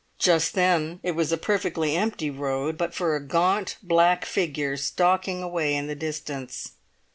Just then it was a perfectly empty road, but for a gaunt black figure stalking away in the distance.